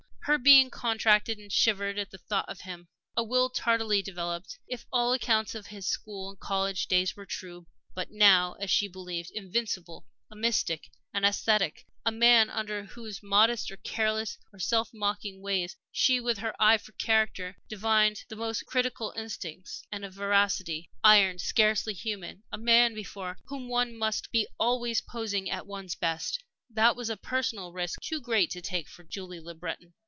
Her being contracted and shivered at the thought of him. A will tardily developed, if all accounts of his school and college days were true, but now, as she believed, invincible; a mystic; an ascetic; a man under whose modest or careless or self mocking ways she, with her eye for character, divined the most critical instincts, and a veracity, iron, scarcely human a man before whom one must be always posing at one's best that was a personal risk too great to take for a Julie Le Breton.